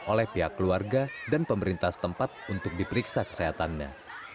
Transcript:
oleh pihak keluarga dan pemerintah setempat untuk diperiksa kesehatannya